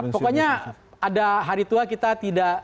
pokoknya ada hari tua kita tidak